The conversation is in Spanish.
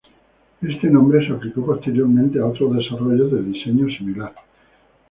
Este nombre se aplicó posteriormente a otros desarrollos de diseño similar.